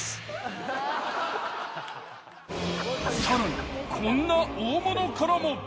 更にこんな大物からも。